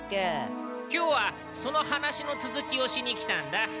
今日はその話の続きをしに来たんだ。